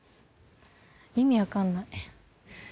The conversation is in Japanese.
意味分かんない